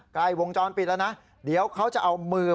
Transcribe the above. ใกล้วงจรปิดแล้วนะเดี๋ยวเขาจะเอามือ